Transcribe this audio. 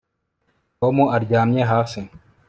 Tom aryamye hasi